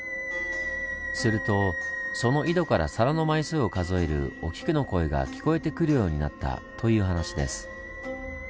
するとその井戸から皿の枚数を数えるお菊の声が聞こえてくるようになったという話です。